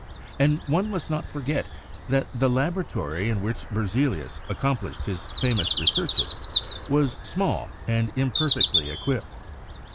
And one must not forget that the laboratory in which Berzelius accomplished his famous researches was small and imperfectly equipped.